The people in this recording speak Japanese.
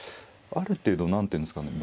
ある程度なんていうんですか。